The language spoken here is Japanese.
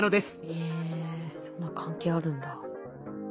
えそんな関係あるんだ。